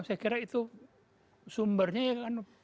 saya kira itu sumbernya ya kan